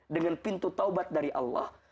dengan pintu taubat dari allah